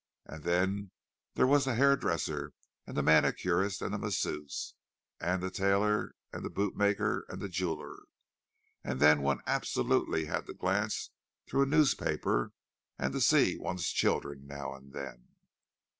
And then there was the hairdresser and the manicurist and the masseuse, and the tailor and the bootmaker and the jeweller; and then one absolutely had to glance through a newspaper, and to see one's children now and then.